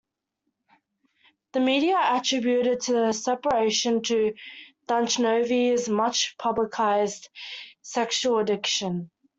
The media attributed the separation to Duchovny's much publicized sexual addiction.